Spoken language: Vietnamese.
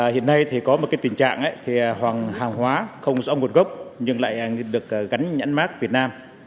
hiện nay thì có một cái tình trạng thì hàng hóa không rõ một gốc nhưng lại được gắn nhánh mát việt nam